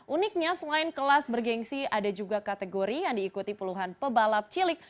uniknya selain kelas bergensi ada juga kategori yang diikuti puluhan pebalap cilik